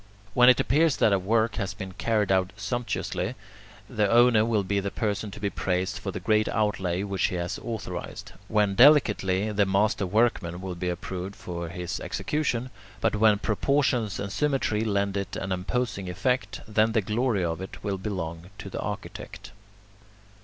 When it appears that a work has been carried out sumptuously, the owner will be the person to be praised for the great outlay which he has authorized; when delicately, the master workman will be approved for his execution; but when proportions and symmetry lend it an imposing effect, then the glory of it will belong to the architect.